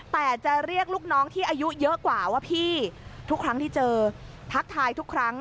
แต่จะเรียกลูกน้องที่อายุเยอะกว่าว่าพี่ทุกครั้งที่เจอทักทายทุกครั้ง